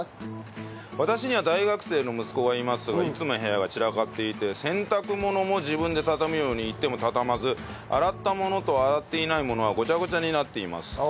私には大学生の息子がいますがいつも部屋が散らかっていて洗濯物も自分で畳むように言っても畳まず洗ったものと洗っていないものがゴチャゴチャになっています。